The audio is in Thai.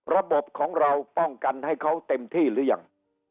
ระบบของเราป้องกันให้เขาเต็มที่หรือยัง